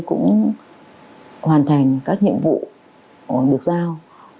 cũng hoàn thành các nhiệm vụ được giao